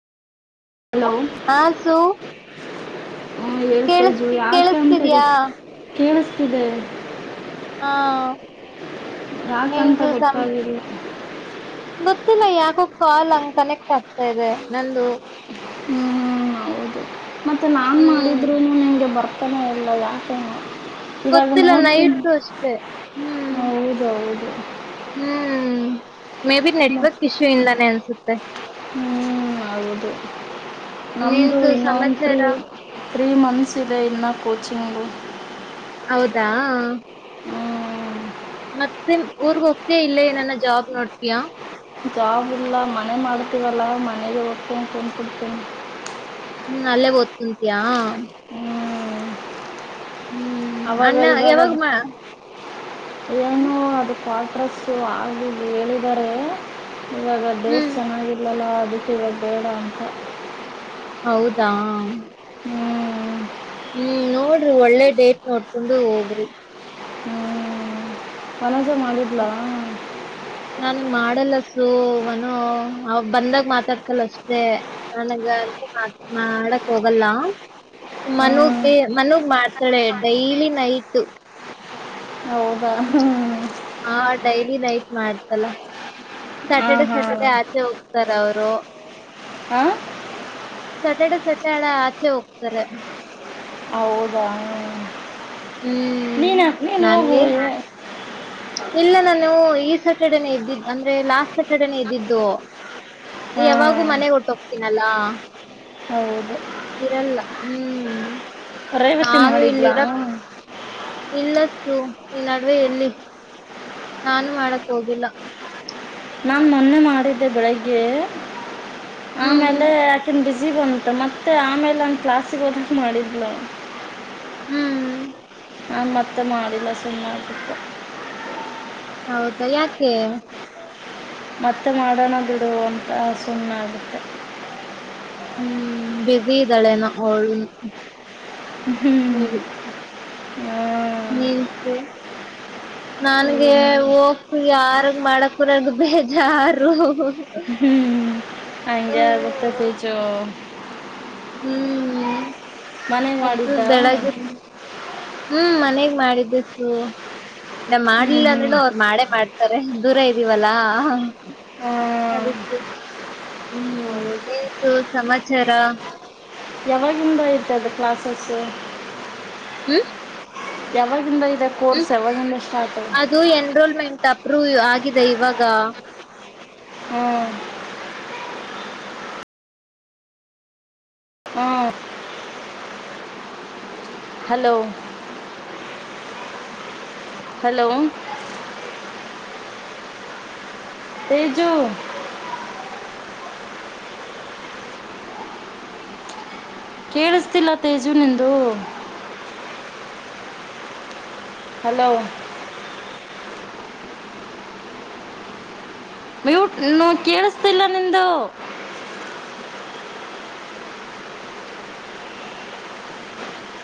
Hello ಹಾ ಸು ಹಾ ಕೇಳಸ್ ಹೇಳುತೇಜು ಯಾಕೆ ಅಂತ ಗೊ ಕೇಳಿಸ್ತಿದ್ಯಾ ಕೇಳುಸ್ ತಿದೆ ಹಾ ನೀನ್ ಯಾಕಂತ ಸಂ ಗೊತ್ತಾಗಿಲ್ಲ ಗೊತ್ತಿಲ್ಲ ಯಾಕೋ ಕಾಲ್ ಹಂಗ ಕನೆಕ್ಟ್ ಆಗ್ತಾ ಇದೆ ನಂದು ಹ್ಮ್ ಹೌದು ಮತ್ತೆ ಹ್ಮ್ ಬರ್ತಾನೆ ಇಲ್ಲ ಯಾಕೋ ಗೊತ್ತಿಲ್ಲ ನೈಟ್ ಅಷ್ಟೆ ಹ್ಮ್ ಹೌದು ಹೌದು ಹ್ಮ್ ಮೇಬಿ ನೆಟ್ವರ್ಕ್ ಇಶ್ಯೂ ಇಂದಾನೆ ಅನ್ಸುತ್ತೆ ಹ್ಮ್ ಹೌದು ನಮ್ಮದು ನೀನ್ಸು ಇನ್ನೊಂದ್ರು ಸಮಾಚಾರ ತ್ರೀ ಮಂತ್ಸ ಇದೆ ಇನ್ನ ಕೋಚಿಂಗು ಹೌದಾ ಹ್ಞೂ ಮತ್ತೆ ಊರ್ಗ್ ಹೋಗ್ತ ಇಲ್ಲೇ ನನ್ನ ಜಾಬ್ ನೋಡ್ತೀಯಾ ಜಾಬ್ ಇಲ್ಲ ಮನೆ ಮಾಡ್ತೀವಲ್ಲ ಮನೆಗೆ ಓದ್ಕೊಂಡ್ ಕುಂತಿರ್ತೀನಿ ಹ್ಮ ಅಲ್ಲೇ ಓದ್ಕೊಂತಿಯ ಹ್ಞೂ ಹ್ಮ್ ಅವಾಗ ಅಣ್ಣ ಇವಾಗ ಯಾವಾಗ ಅದು ಮಾ ಏನೋ ಅದು ಕ್ವಾಟ್ರಸ್ ಆಗ ಹೇಳಿದರೆ ಇವಾಗ ಡೇಸ್ ಹ್ಮ್ ಚೆನ್ನಾಗಿಲಲ್ಲ ಅದಿಕ್ಕೆ ಇವಾಗ ಬೇಡ ಅಂತ ಹೌದಾ ಹ್ಞೂ ಹ್ಮ್ ನೋಡ್ರಿ ಒಳ್ಳೆ ಡೇಟ್ ನೋಡ್ಕೊಂಡು ಹೋಗ್ರಿ ಹ್ಮ್ ಅಲ ನಾನಗ್ ಮಾಡಲ್ಲ ಸೊ ಮನು ಅವಾಗ್ ಬಂದಾಗ ಮಾತಾಡ್ತಾಳೆ ಅಷ್ಟೆ ನನಗ ಅಂತ ಮಾಡಕ್ ಹೋಗಲ್ಲ ಹ್ಞೂ ಮನುಗೆ ಮನುಗ್ ಮಾಡ್ತಾಳೆ ಡೈಲಿ ನೈಟು ಹೌದಾ ಹಾ ಡೈಲಿ ನೈಟ್ ಮಾಡ್ತಾಳೆ ಹಾಂ ಸ್ಯಾಟರ್ಡೆ ಹಾಂ ಸ್ಯಾಟರ್ಡೆ ಆಚೆ ಹೋಗ್ ಸರ್ ಅವ್ರು ಹಾಂ ಸಾಟರ್ಡೆ ಸಾಟರ್ಡೆ ಆಚೆ ಹೋಗ್ತಾರೆ ಹೌದಾ ಹ್ಮ್ ನೀ ನೀನ್ ಹೋಗು ನನ್ಗೆ ಇಲ್ಲ ನಾನು ಈ ಸ್ಯಾಟರ್ಡೇನೆ. ಇದ್ದಿದ್ದ ಅಂದ್ರೆ ಲಾಸ್ಟ್ ಸ್ಯಾಟರ್ಡೇನೇ ಇದ್ದಿದ್ದು ಯಾವಾಗೂ ಹಾಂ ಮನೆ ಒಟ್ಟ ಹೋಗ್ತೀನಲ್ಲ ಹೌದು ಇರಲ್ಲ ಹ್ಮ್ ರೇವತಿ ನಾನು ಮಾಡಿದ್ಲಾ ಇಲ್ಲಿರಕ್ ಇಲ್ಲ ಈ ನಡುವೆ ಎಲ್ಲಿ ನಾನು ಮಾಡಕ್ ಹೋಗಿಲ್ಲ ನಾನ್ ಮೊನ್ನೆ ಮಾಡಿದ್ದೆ ಬೆಳಿಗ್ಗೆ ಹ್ಮ್ ಆಮೇಲೆ ಆಕಿಂದ್ ಬೀಝಿ ಜೀ ಬಂತು ಮತ್ತೆ ಆಮೇಲೆ ಒನ ಪ್ಲಾಸಿಗೆ ಓದಕ್ಕೆ ಮಾಡಿದ್ಲು. ಹ್ಮ್ ನಾನ್ ಮತ್ತೆ ಮಾಡಿಲ್ಲ ಸುಮ್ನಾಗ್ಬುಟು ಹೌದ ಯಾಕೆ ಮತ್ತೆ ಮಾಡೋಣ ಬಿಡುವಂತ ಸುಮ್ಮನ್ಗುತ್ತೆ. ಹ್ಮ್ ಬಿಝೀ ಇದ್ದಾಳೆನೊ ಅವಳ್ ಹ್ಮ್. ಹ ಮೆನ್ಸು ನನ್ಗೆ ಏನು ಹೋಗ ಯಾರಗ್ ಮಾಡಕರಾಗ ಬೇಜಾರು. ಹ್ಮ್ ಹಂಗೆ ಆಗುತ್ತೆ ತೇಜು ಹ್ಮ್. ಮನೆಗೆ ಅದು ಮಾಡಿದ್ದ ಬೆಳೆಗ್ ಹ್ಮ್ ಮನಗ್ ಮಾಡಿದ್ದಕ್ಕು. ನಾ ಹ್ಞೂ ಮಾಡ್ಲಿಲ್ಲ ಹ್ಞೂ ಅಂದ್ರೂನು ಅವ್ರು ಮಾಡೇ ಮಾಡ್ತಾರೆ. ದೂರ ಇದ್ದೀವಲ್ಲಾ ಹ ಅದಿಕ್ಕೆ. ಹ್ಮ್ ಹೌದು ಏನ್ ಸು ಸಮಾಚಾರ. ಯಾವಾಗಿಂದ ಆಯ್ತೆ ಅದು ಕ್ಲಾಸಸು ಹ್ಮ್ ಯಾವಾಗಿಂದ ಆಯ್ತ್ ಹ್ಮ ಅದು ಎನ್ರೋಲ್ಮೆಂಟ ರು ಆಗಿದೆ ಇವಾಗ ಹೂ ಹು ಹಲೋ ಹಲೋ ತೇಜು ಕೇಳಿಸ್ತಿಲ್ಲ ತೇಜು ನಿಂದು ಹಲೋ... ಮ್ಯೂಟ್ ನೊ ಕೇಳಿಸ್ತಿಲ್ಲ ನಿಂದು